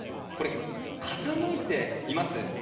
これ、傾いています。